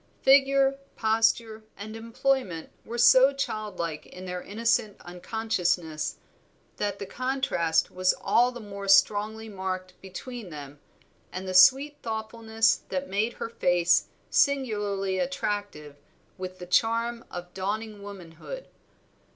Figure, posture, and employment were so childlike in their innocent unconsciousness, that the contrast was all the more strongly marked between them and the sweet thoughtfulness that made her face singularly attractive with the charm of dawning womanhood.